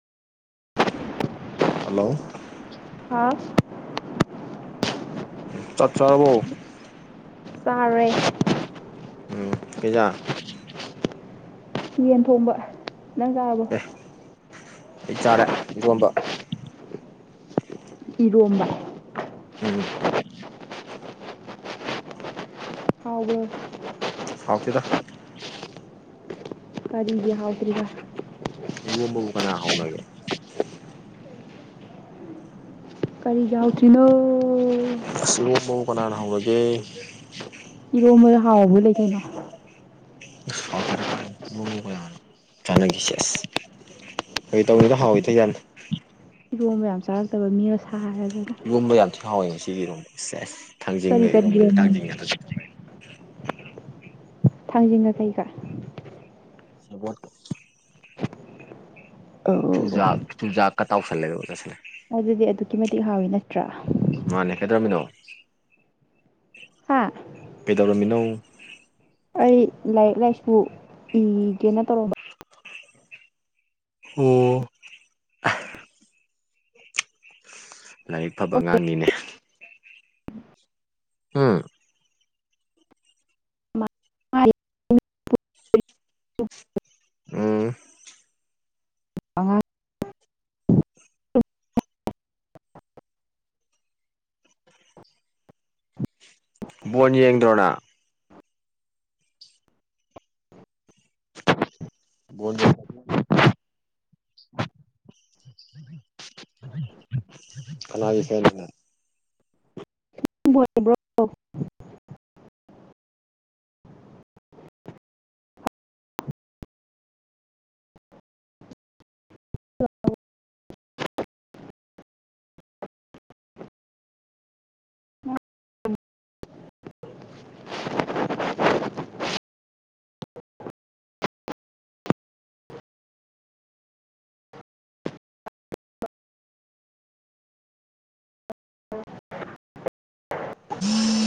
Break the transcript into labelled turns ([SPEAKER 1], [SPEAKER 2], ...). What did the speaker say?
[SPEAKER 1] hello
[SPEAKER 2] ꯍꯥꯎ
[SPEAKER 1] ꯆꯥꯛ ꯆꯥꯔꯕꯣ
[SPEAKER 2] ꯆꯥꯔꯦ
[SPEAKER 1] ꯎꯝ ꯄꯤꯖꯥ
[SPEAKER 2] ꯌꯦꯟ ꯊꯣꯡꯕ ꯅꯪ ꯚꯥ
[SPEAKER 1] ꯑꯦ ꯑꯩ ꯆꯥꯔꯦ ꯏꯔꯣꯟꯕ
[SPEAKER 2] ꯏꯔꯣꯝꯕ
[SPEAKER 1] ꯎꯝ
[SPEAKER 2] ꯌꯥꯎꯕꯔꯣ
[SPEAKER 1] ꯐꯥꯎꯇꯦꯗ
[SPEAKER 2] ꯀꯔꯤꯒꯤ ꯍꯥꯎꯇ꯭ꯔꯤꯕ
[SPEAKER 1] ꯏꯔꯣꯟꯕꯕꯨ ꯀꯅꯥ ꯍꯧꯅꯒꯦ
[SPEAKER 2] ꯀꯔꯤꯒꯤ ꯌꯥꯎꯇꯔꯤꯅꯣ
[SPEAKER 1] ꯑꯁ ꯔꯣꯝꯕꯕꯨ ꯀꯅꯥꯅ ꯍꯧꯎꯅꯒꯦ
[SPEAKER 2] ꯏꯔꯣꯝꯕꯗ ꯍꯥꯎꯕ ꯂꯩ ꯀꯩꯅꯣ
[SPEAKER 1] ꯍꯥꯎꯇꯦꯗ ꯀꯥꯏ ꯐꯔꯣꯟꯕꯕꯨ ꯀꯅꯥ ꯆꯅꯒꯦ ꯁꯦꯁ ꯐꯥꯒꯤ ꯇꯧꯅꯤꯗ ꯍꯥꯎꯋꯏꯗ ꯌꯥꯅꯤ
[SPEAKER 2] ꯏꯔꯣꯝꯕ ꯌꯥꯝ ꯆꯥꯔꯛꯇꯕ ꯃꯤ
[SPEAKER 1] ꯏꯔꯣꯝꯕ ꯌꯥꯝ ꯊꯤ ꯍꯥꯎꯋꯦ ꯉꯁꯤꯒꯤ ꯏꯔꯣꯝꯕ ꯁꯦꯁ ꯊꯥꯡꯖꯤꯡꯇ
[SPEAKER 2] ꯀꯔꯤ ꯀꯔꯤ
[SPEAKER 1] ꯏꯔꯣꯝꯕ
[SPEAKER 2] ꯏꯔꯣꯝꯕꯅꯣ
[SPEAKER 1] ꯊꯥꯡꯖꯤꯡ ꯉꯥꯛ ꯆꯊꯣꯛꯈꯔꯦ
[SPEAKER 2] ꯊꯥꯡꯖꯤꯡꯒ ꯀꯩꯀꯥ
[SPEAKER 1] ꯑꯕꯣꯠ ꯀ
[SPEAKER 2] ꯑꯧ
[SPEAKER 1] ꯆꯨꯖꯥꯛ ꯆꯨꯖꯥꯛꯀ ꯇꯥꯎꯁꯜꯂꯦ ꯑꯗꯨꯒ ꯆꯥꯁꯤꯜꯂꯦ
[SPEAKER 2] ꯑꯗꯨꯗꯤ ꯑꯗꯨꯛꯀꯤ ꯃꯇꯤꯛ ꯍꯥꯎꯋꯤ ꯅꯠꯇ꯭ꯔꯥ
[SPEAKER 1] ꯎ ꯃꯥꯅꯦ ꯀꯗꯧꯔꯝꯃꯤꯅꯣ
[SPEAKER 2] ꯍꯥꯥ
[SPEAKER 1] ꯀꯩꯗꯧꯔꯝꯃꯤꯅꯣ
[SPEAKER 2] ꯑꯩ ꯂꯥꯏꯔꯤꯛ ꯂꯥꯏꯁꯨ ꯏꯒꯦꯅ ꯇꯧꯔꯝꯕ
[SPEAKER 1] ꯑꯣ ꯂꯥꯏꯔꯤꯛ ꯐꯕ ꯑꯉꯥꯡꯅꯤꯅꯦ ꯎꯝ
[SPEAKER 2] ꯃꯥꯏ
[SPEAKER 1] ꯎꯝ
[SPEAKER 2] ꯑꯉꯥꯡ
[SPEAKER 1] ꯕꯣꯟ ꯌꯦꯡꯗ꯭ꯔꯣ ꯅꯪ ꯕꯣꯟ ꯌꯦꯡꯗꯕꯔꯣ ꯀꯅꯒꯤ ꯀꯩꯅꯣꯅꯦ
[SPEAKER 2] ꯕꯥꯏ ꯕꯣꯏ ꯑ [unintelligible] [inaudible]